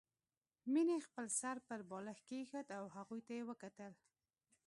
مينې خپل سر پر بالښت کېښود او هغوی ته يې وکتل